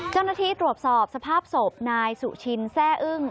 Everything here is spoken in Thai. เจ้าหน้าที่ตรวจสอบสภาพศพนายสุชินแซ่อึ้ง